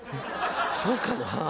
そうかな？